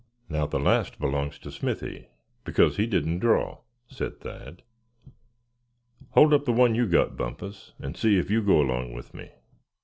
"Now, the last belongs to Smithy, because he didn't draw," said Thad. "Hold up the one you got, Bumpus, and see if you go along with me."